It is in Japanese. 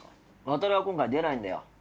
渉は今回出ないんだよ。